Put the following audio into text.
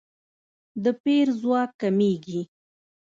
د پیر ځواک کمیږي.